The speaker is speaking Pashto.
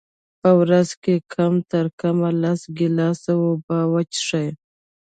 په ورځ کي کم ترکمه لس ګیلاسه اوبه وچیښئ